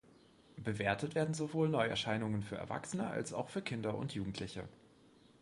Bewertet werden sowohl Neuerscheinungen für Erwachsene als auch für Kinder und Jugendliche.